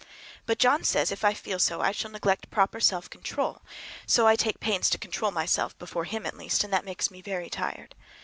But John says if I feel so I shall neglect proper self control; so I take pains to control myself,—before him, at least,—and that makes me very tired.